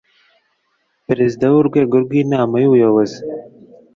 Perezida w Urwego rw Inama y Ubuyobozi